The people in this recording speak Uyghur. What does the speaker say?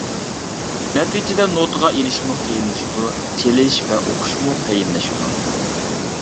نەتىجىدە نوتىغا ئېلىشمۇ قىيىنلىشىدۇ، چېلىش ۋە ئوقۇشمۇ قىيىنلىشىدۇ.